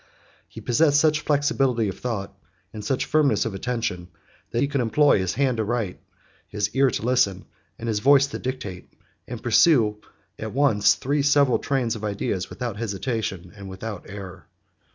He possessed such flexibility of thought, and such firmness of attention, that he could employ his hand to write, his ear to listen, and his voice to dictate; and pursue at once three several trains of ideas without hesitation, and without error.